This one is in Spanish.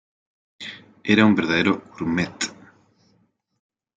Era un verdadero gourmet.